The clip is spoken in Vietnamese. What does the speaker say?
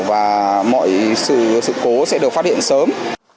và mọi sự cố sẽ được phát hiện sớm